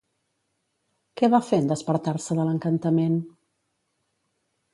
Què va fer en despertar-se de l'encantament?